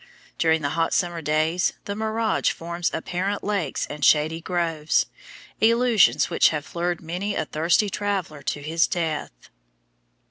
During the hot summer days the mirage forms apparent lakes and shady groves, illusions which have lured many a thirsty traveller to his death.